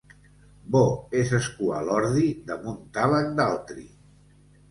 Bo és escuar l'ordi damunt talec d'altri.